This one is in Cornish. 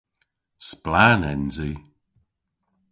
Splann ens i.